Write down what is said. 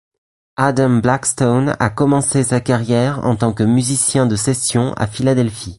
Adam Blackstone a commencé sa carrière en tant que musicien de session à Philadelphie.